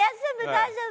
大丈夫？